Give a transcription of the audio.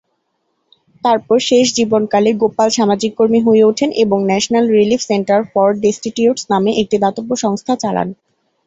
তারপর শেষ জীবনকালে, গোপাল সামাজিক কর্মী হয়ে ওঠেন এবং "national relief centre for destitutes" নামে একটি দাতব্য সংস্থা চালান।